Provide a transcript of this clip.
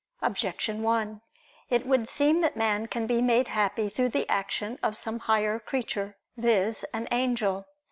Objection 1: It would seem that man can be made happy through the action of some higher creature, viz. an angel.